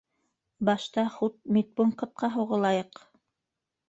- Башта хут медпунктҡа һуғылайыҡ.